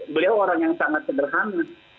beliau orang yang sangat sederhana